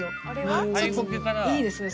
いいですね